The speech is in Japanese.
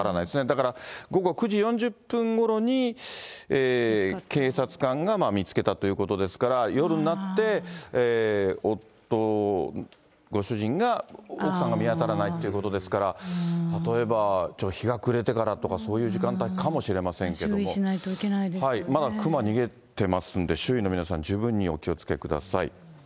だから午後９時４０分ごろに警察官が見つけたということですから、夜になって、夫、ご主人が、奥さんが見当たらないということですから、例えば日が暮れてからとか、そういう時間帯かもしれませんけれど注意しないといけないですよまだ熊逃げてますんで、周囲の皆さん、十分にお気をつけください。